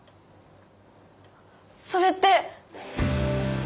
それって！